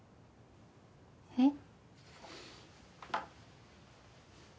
えっ？